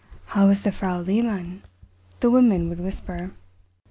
"How is the Frau Lehmann?" the women would whisper.